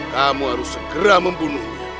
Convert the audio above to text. kamu harus segera membunuhnya